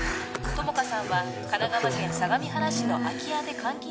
友果さんは神奈川県相模原市の空き家で監禁